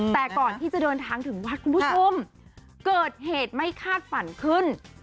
แต่ก่อนที่จะเดินทางถึงวัดคุณผู้ชมเกิดเหตุไม่คาดฝันขึ้น